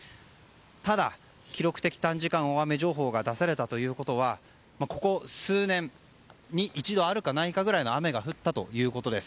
ただ、記録的短時間大雨情報が出されたということはここ数年に一度あるか、ないかぐらいの雨が降ったということです。